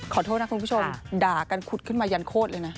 ขอโทษนะคุณผู้ชมด่ากันขุดขึ้นมายันโคตรเลยนะ